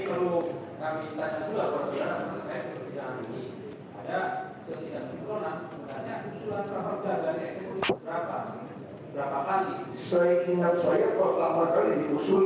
intilai ratu bumah mampu